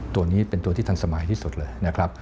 ตัวนี้เป็นตัวที่ทันสมัยที่สุดเลยนะครับ